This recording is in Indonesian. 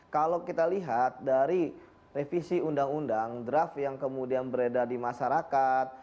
kalau kita lihat dari revisi undang undang draft yang kemudian beredar di masyarakat